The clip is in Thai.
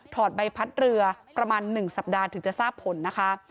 ใบพัดเรือประมาณ๑สัปดาห์ถึงจะทราบผลนะคะ